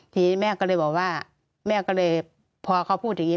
ทีนี้แม่ก็เลยบอกว่าแม่ก็เลยพอเขาพูดอย่างนี้